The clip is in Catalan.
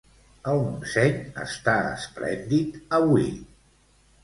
El Montseny està esplèndid avui